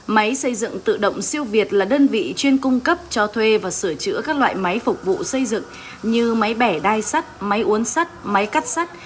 máy xây dựng tự động siêu việt là đơn vị chuyên cung cấp cho thuê và sửa chữa các loại máy phục vụ xây dựng như máy bẻ đai sắt máy uốn sắt máy cắt sắt